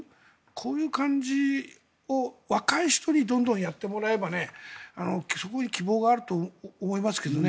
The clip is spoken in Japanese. こういう感じを若い人にどんどんやってもらえばそこに希望があると思いますけどね。